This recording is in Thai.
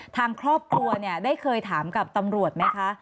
ทางครอบครัวเนี่ยได้เคยถามกับตำรวจไหมคะ